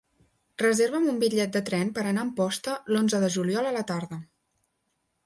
Reserva'm un bitllet de tren per anar a Amposta l'onze de juliol a la tarda.